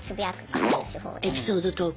あエピソードトーク。